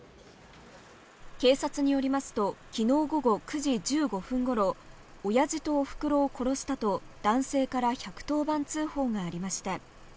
警察によりますと、昨日午後９時１５分頃、おやじとおふくろを殺したと男性から１１０番通報がありました。